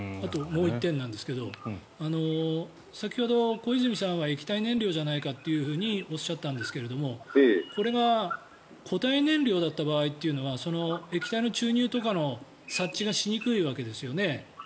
もう１点なんですが先ほど小泉さんは液体燃料じゃないかっておっしゃったんですけどこれが固体燃料だった場合というのは液体の注入とかの察知がしにくいわけですよね。